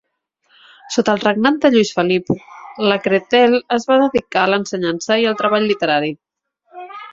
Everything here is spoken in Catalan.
Sota al regnat de Luis Felip, Lacretelle es va dedicar a l"ensenyança i el treball literari.